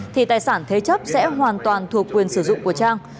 thì tài sản thế chấp sẽ hoàn toàn thuộc quyền sử dụng của trang